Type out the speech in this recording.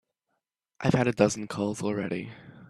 I've had a dozen calls already.